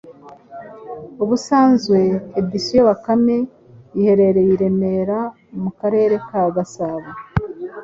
ubusanzwe Editions Bakame iherereye i Remera mu Karere ka Gasabo,